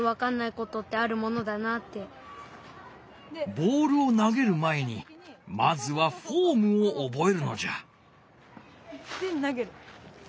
ボールを投げる前にまずはフォームをおぼえるのじゃ。